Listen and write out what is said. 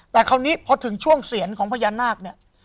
แต่คราวนี้พอถึงช่วงเสียนของพญานาคเนี่ย